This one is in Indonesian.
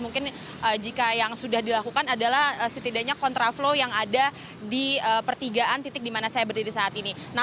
mungkin jika yang sudah dilakukan adalah setidaknya